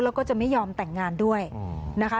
แล้วก็จะไม่ยอมแต่งงานด้วยนะคะ